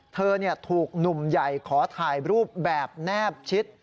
เธอถูกหนุ่มใหญ่ขอถ่ายรูปแบบแนบชิด